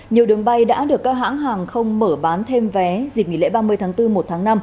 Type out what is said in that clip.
nhiều đường bay đã được các hãng hàng không mở bán thêm vé dịp nghỉ lễ ba mươi tháng bốn một tháng năm